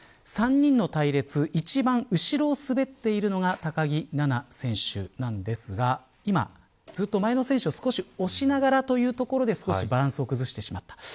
３人の隊列一番後ろを滑っているのが高木菜那選手なんですがずっと前の選手を少し押しながらというところでバランスを崩してしまった。